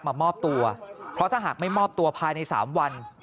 มามอบตัวเพราะถ้าหากไม่มอบตัวภายใน๓วัน